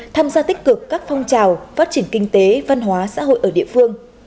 tham gia tích cực các phong trào phát triển kinh tế văn hóa xã hội ở địa phương